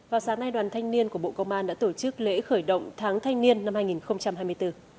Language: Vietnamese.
vào sáng nay đoàn thanh niên của bộ công an đã tổ chức lễ khởi động tháng thanh niên năm hai nghìn hai mươi bốn